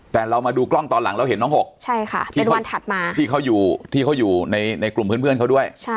แต่เรามาดูกล้องตอนหลังแล้วเห็นน้อง๖ที่เขาอยู่ในกลุ่มเพื่อนเขาด้วย